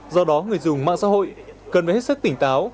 do đó người dùng mạng xã hội cần phải hết sức tỉnh táo